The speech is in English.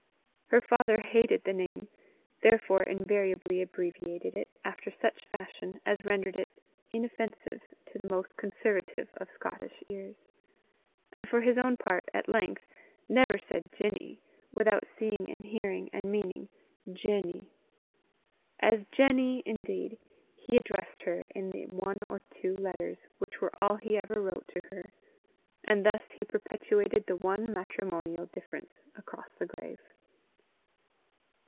Her father hated the name, therefore invariably abbreviated it after such fashion as rendered it inoffensive to the most conservative of Scotish ears; and for his own part, at length, never said Ginny, without seeing and hearing and meaning Jenny. As Jenny, indeed, he addressed her in the one or two letters which were all he ever wrote to her; and thus he perpetuated the one matrimonial difference across the grave.